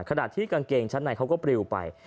ขณะที่กางเกงชั้นในเขาก็ปลิวไป